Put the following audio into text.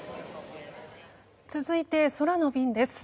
続いて、空の便です。